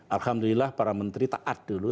alhamdulillah para menteri taat dulu